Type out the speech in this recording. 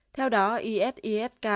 theo đó is isk là trì nhánh tại afghanistan